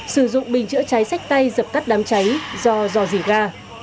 sử dụng bình chữa cháy sách tay dập tắt đám cháy do dò dỉ ga